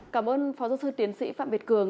cảm ơn phó giáo sư tiến sĩ phạm việt cường